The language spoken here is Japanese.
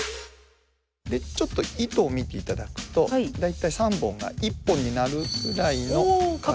ちょっと糸を見ていただくと大体３本が１本になるぐらいの角度。